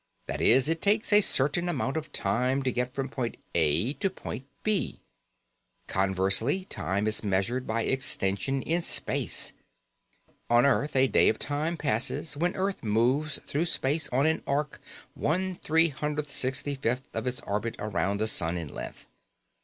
That is, it takes a certain amount of time to get from point A to point B. Conversely, time is measured by extension in space. On Earth, a day of time passes when Earth moves through space on an arc one three hundred sixty fifth of its orbit around the sun in length.